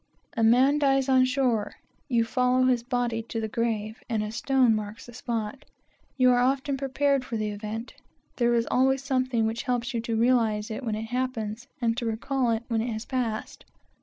A man dies on shore you follow his body to the grave, and a stone marks the spot. You are often prepared for the event. There is always something which helps you to realize it when it happens, and to recall it when it has passed.